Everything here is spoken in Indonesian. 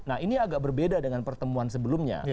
nah ini agak berbeda dengan pertemuan sebelumnya